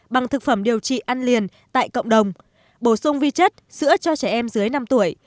bằng thực phẩm điều trị ăn liền tại cộng đồng bổ sung vi chất sữa cho trẻ em dưới năm tuổi